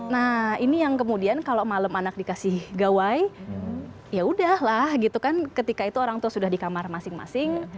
nah ini yang kemudian kalau malam anak dikasih gawai yaudahlah gitu kan ketika itu orang tua sudah di kamar masing masing